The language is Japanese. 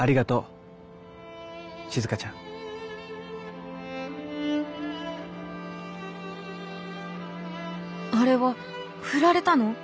心の声あれは振られたの？